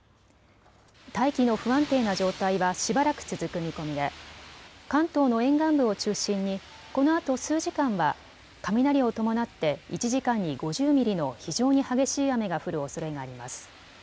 大気の不安定な状態はしばらく続く見込みで関東の沿岸部を中心にこのあと数時間は雷を伴って１時間に５０ミリの非常に激しい雨が降るおそれがあります。